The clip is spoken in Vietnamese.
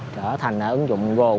thì mình đi cũng nhiều dòng